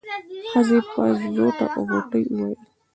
ښځې په زوټه غوټۍ وويل.